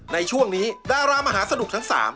ในช่วงนี้ดารามหาสนุกทั้ง๓